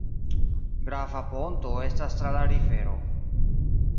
Grava ponto estas tra la rivero.